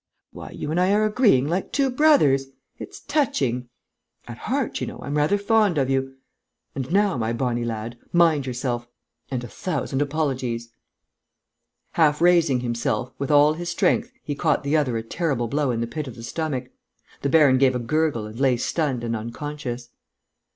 Why, you and I are agreeing like two brothers! It's touching!... At heart, you know, I'm rather fond of you.... And now, my bonnie lad, mind yourself! And a thousand apologies!..." Half raising himself, with all his strength he caught the other a terrible blow in the pit of the stomach. The baron gave a gurgle and lay stunned and unconscious.